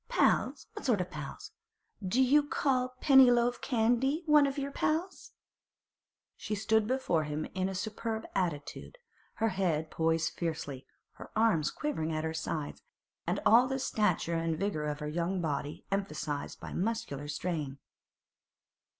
'Pals! what sort o' pals? Do you call Pennyloaf Candy one o' your pals?' She stood before him in a superb attitude, her head poised fiercely, her arms quivering at her sides, all the stature and vigour of her young body emphasised by muscular strain.